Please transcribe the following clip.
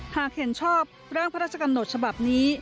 หากเห็นชอบร่างพระราชกำหนดฉบับนี้